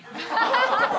ハハハハ！